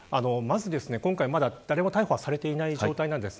まだ誰も逮捕されていない状況です。